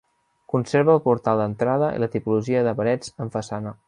Conserva el portal d'entrada i la tipologia de parets en façana.